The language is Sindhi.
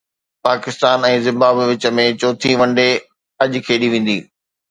پاڪستان ۽ زمبابوي وچ ۾ چوٿين ون ڊي اڄ کيڏي ويندي